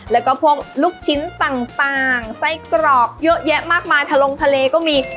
แล้วก็พวกลูกชิ้นต่างไส้กรอกเยอะแยะมากมายทะลงทะเลก็มี